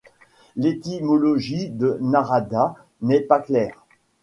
L’étymologie de Narada n’est pas claire.